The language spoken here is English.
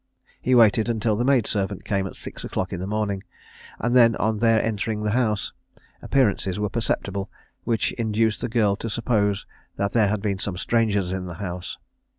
He waited until the maid servant came at six o'clock in the morning, and then, on their entering the house, appearances were perceptible, which induced the girl to suppose that there had been some strangers in the house.